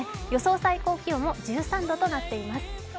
最高気温も１３度となっています。